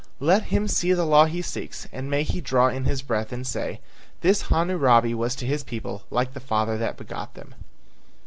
Let him see the law he seeks, and may he draw in his breath and say: 'This Hammurabi was to his people like the father that begot them!'"